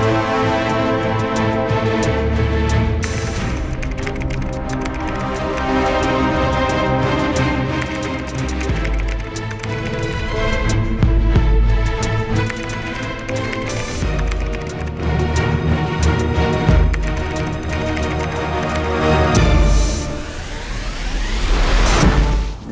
สวัสดีครับ